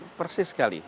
betul persis sekali